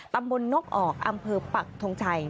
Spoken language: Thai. บนนกออกอำเภอปักทงชัย